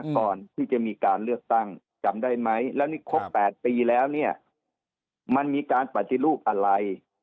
ก่อนที่จะมีการเลือกตั้งจำได้ไหมแล้วนี่ครบ๘ปีแล้วเนี่ยมันมีการปฏิรูปอะไร